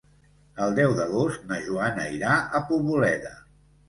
El deu d'agost na Joana irà a Poboleda.